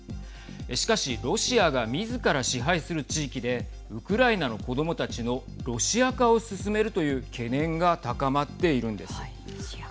しかし、ロシアがみずから支配する地域でウクライナの子どもたちのロシア化を進めるという懸念が高まっているんです。